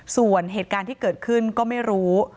ส่วนเหตุการณ์ที่เกิดขึ้นก็ไม่รู้